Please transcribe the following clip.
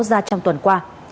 ra trong tuần qua